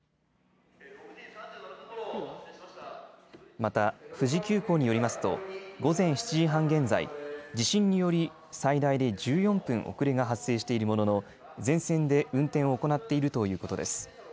また、富士急行によりますと、午前７時半現在、地震により、最大で１４分遅れが発生しているものの、全線で運転を行っているということです。